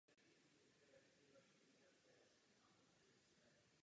Euforie však dlouho nevydržela.